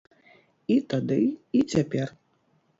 І тады, і цяпер.